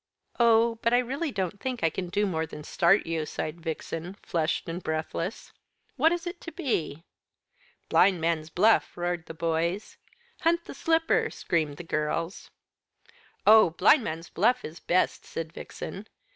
"Oh, but I really don't think I can do more than start you," sighed Vixen, flushed and breathless, "what is it to be?" "Blindman's Buff," roared the boys. "Hunt the Slipper," screamed the girls. "Oh, Blindman's Buff is best," said Vixen.